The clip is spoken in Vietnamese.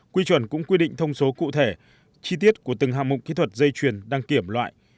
quy chuẩn cũng quy định thông số cụ thể chi tiết của từng hạng mục kỹ thuật dây chuyền đăng kiểm loại